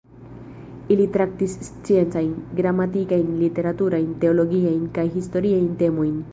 Ili traktis sciencajn, gramatikajn, literaturajn, teologiajn kaj historiajn temojn.